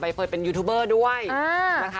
ใบเฟิร์นเป็นยูทูเบอร์ด้วยนะคะ